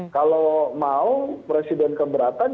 kalau mau presiden keberatan